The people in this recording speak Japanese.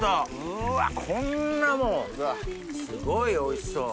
うわこんなもんすごいおいしそう。